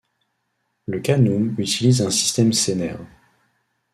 Le kanum utilise un système sénaire.